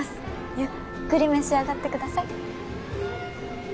ゆっくり召し上がってください